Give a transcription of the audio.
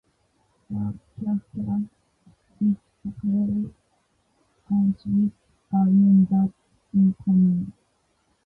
La carcasse disparaît ensuite à une date inconnue.